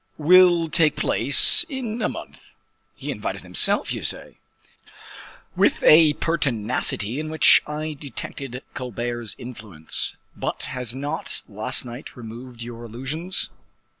_" "Will take place in a month." "He invited himself, you say?" "With a pertinacity in which I detected Colbert's influence. But has not last night removed your illusions?"